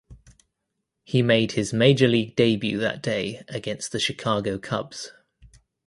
He made his major league debut that day against the Chicago Cubs.